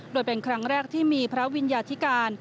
โดยเป็นครั้งแรกที่มีพระวิญญาธิการ